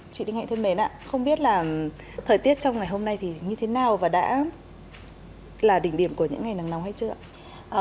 chị đinh hạnh thân mến ạ không biết là thời tiết trong ngày hôm nay thì như thế nào và đã là đỉnh điểm của những ngày nắng nóng hay chưa ạ